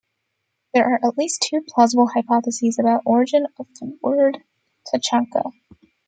There are at least two plausible hypotheses about origin of the word "tachanka".